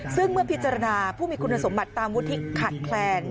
ซึ่งเมื่อพิจารณาผู้มีคุณสมบัติตามวุฒิขาดแคลน